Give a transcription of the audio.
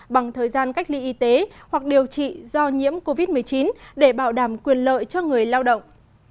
bằng thời gian cách ly y tế hoặc điều trị do nhiễm covid một mươi chín để bảo đảm quyền lợi cho người lao động